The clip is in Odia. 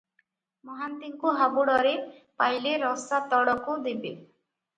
ମହାନ୍ତିଙ୍କୁ ହାବୁଡ଼ରେ ପାଇଲେ ରସାତଳକୁ ଦେବେ ।